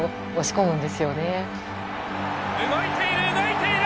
動いている動いている。